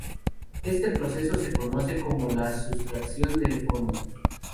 Este proceso se conoce como la sustracción de fondo.